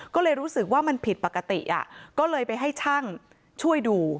ก็เลยรู้สึกว่ามันผิดปกติก็เลยไปให้ช่างช่วยดู